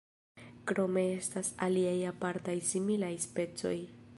Krome estas aliaj apartaj similaj specoj.